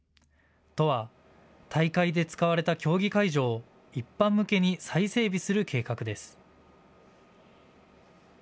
都は大会で使われた競技会場を一般向けに再整備する計画です。